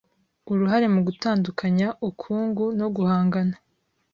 uruhare mu gutandukanya uukungu no guhangana